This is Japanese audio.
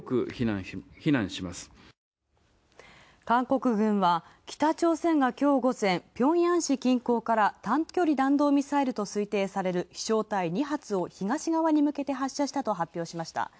韓国軍は、北朝鮮がきょう午前平壌市近郊から短距離弾道ミサイルと推定される飛翔体２発を東側に向けて発射したと。